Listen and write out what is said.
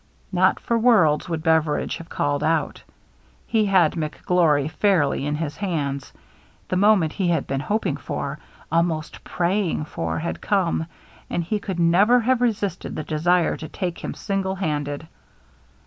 Not for worlds would Beveridge have called out. He had McGlory fairly in his hands, — the moment he had been hoping for, almost praying for, had come, — and he could never have resisted the desire to take him single handed.